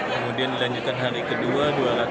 kemudian dilanjutkan hari kedua dua ratus sembilan puluh dua